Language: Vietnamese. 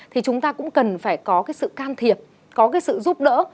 thì chúng ta cũng cần phải có sự can thiệp có sự giúp đỡ